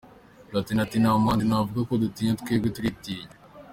Platini ati, “Nta muhanzi navuga ko dutinya, twebwe turitinya.